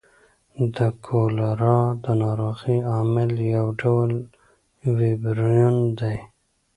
د کولرا د نارغۍ عامل یو ډول ویبریون دی.